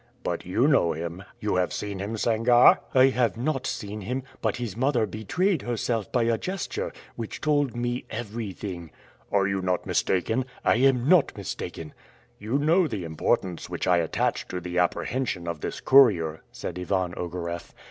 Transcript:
"But you know him; you have seen him, Sangarre?" "I have not seen him; but his mother betrayed herself by a gesture, which told me everything." "Are you not mistaken?" "I am not mistaken." "You know the importance which I attach to the apprehension of this courier," said Ivan Ogareff.